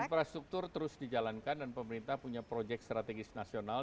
infrastruktur terus dijalankan dan pemerintah punya proyek strategis nasional